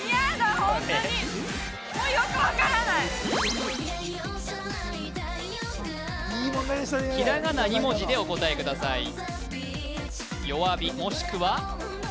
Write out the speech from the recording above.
ホントにもうよく分からないひらがな２文字でお答えください弱火もしくは？